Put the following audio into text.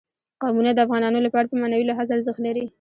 قومونه د افغانانو لپاره په معنوي لحاظ ارزښت لري.